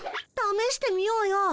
ためしてみようよ。